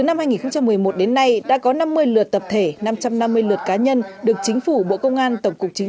năm hai nghìn một mươi một đến nay đã có năm mươi lượt tập thể năm trăm năm mươi lượt cá nhân được chính phủ bộ công an tổng cục chính